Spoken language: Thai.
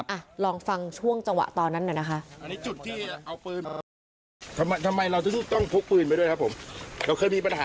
อ่ะลองฟังช่วงจังหวะตอนนั้นหน่อยนะคะ